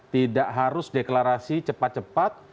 tidak harus deklarasi cepat cepat